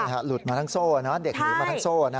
หลุดมาทั้งโซ่เด็กหนีมาทั้งโซ่